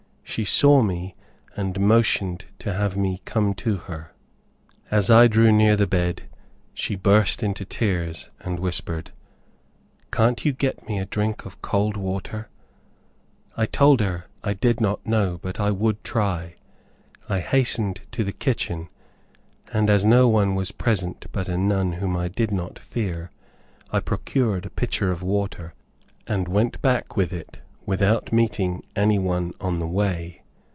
She saw me, and motioned to have me come to her. As I drew near the bed, she burst into tears, and whispered, "Can't you get me a drink of cold water?" I told her I did not know, but I would try. I hastened to the kitchen, and as no one was present but a nun whom I did not fear, I procured a pitcher of water, and went back with it without meeting any one on the way.